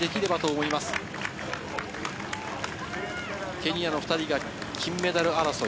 ケニアの２人が金メダル争い。